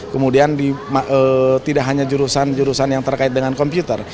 kemudian tidak hanya jurusan jurusan yang terkait dengan komputer